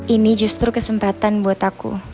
ini justru kesempatan buat aku